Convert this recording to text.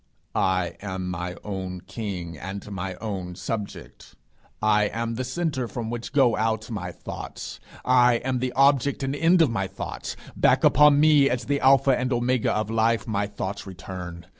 I am my own king and my own subject. I am the centre from which go out my thoughts; I am the object and end of my thoughts; back upon me as the alpha and omega of life, my thoughts return.